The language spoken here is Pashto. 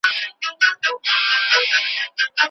که ماسوم ته پاملرنه وسي نو هغه نه بې سواده کېږي.